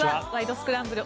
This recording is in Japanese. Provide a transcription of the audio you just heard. スクランブル」